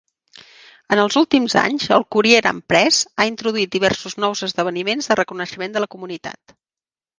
En els últims anys, el Courier and Press ha introduït diversos nous esdeveniments de reconeixement de la comunitat.